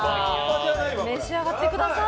召し上がってください。